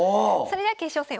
それでは決勝戦